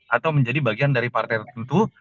atau menjadi bagian dari partai tentu